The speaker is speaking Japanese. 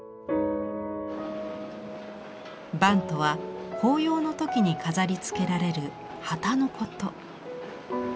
幡とは法要の時に飾りつけられる旗のこと。